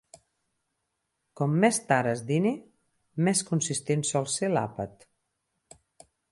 Com més tard es dina, més consistent sol ser l'àpat.